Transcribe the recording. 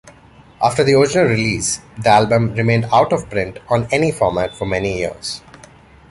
After the original release, the album remained out-of-print on any format for many years.